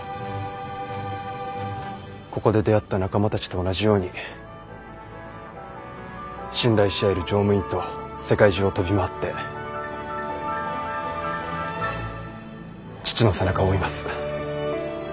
ここで出会った仲間たちと同じように信頼し合える乗務員と世界中を飛び回って父の背中を追います。